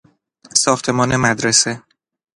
ساختمان مدرسه